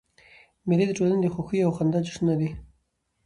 مېلې د ټولني د خوښیو او خندا جشنونه دي.